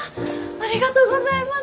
ありがとうございます。